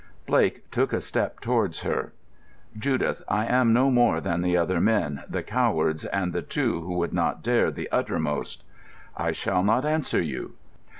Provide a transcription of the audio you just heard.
Blake took a step towards her. "Judith, am I no more than the other men, the cowards, and the two who would not dare the uttermost?" "I shall not answer you."